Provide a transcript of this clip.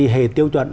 hệ tiêu chuẩn